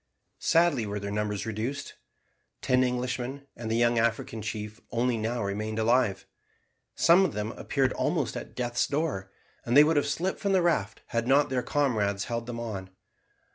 Sadly were their numbers reduced. Ten Englishmen and the young African chief only now remained alive. Some of them appeared almost at death's door, and they would have slipped from the raft had not their comrades held them on.